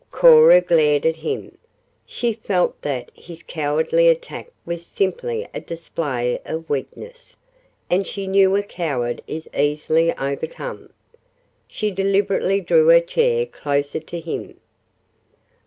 Cora glared at him. She felt that his cowardly attack was simply a display of weakness, and she knew a coward is easily overcome. She deliberately drew her chair closer to him.